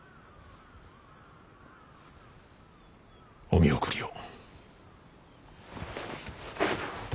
お見送りを。